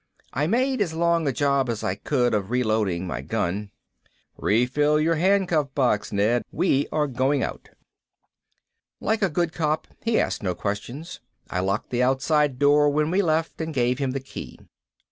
I made as long a job as I could of reloading my gun. "Refill your handcuff box, Ned. We are going out." Like a good cop he asked no questions. I locked the outside door when we left and gave him the key.